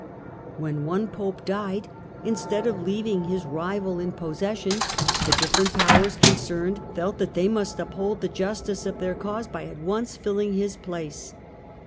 When one Pope died, instead of leaving his rival in possession, the different powers concerned felt that they must uphold the justice of their cause by at once filling his place.